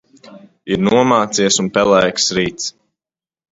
Ir nomācies un pelēks rīts.